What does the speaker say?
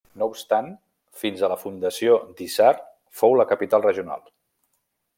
No obstant fins a la fundació d'Hissar fou la capital regional.